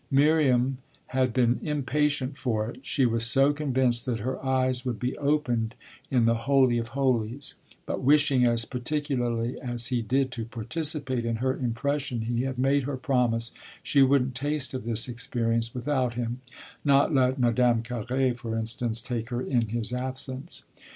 Miriam had been impatient for it she was so convinced that her eyes would be opened in the holy of holies; but wishing as particularly as he did to participate in her impression he had made her promise she wouldn't taste of this experience without him not let Madame Carré, for instance, take her in his absence.